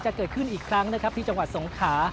เกิดขึ้นอีกครั้งนะครับที่จังหวัดสงขา